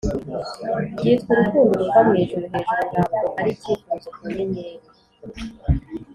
byitwa urukundo ruva mwijuru hejuru ntabwo ari icyifuzo ku nyenyeri ...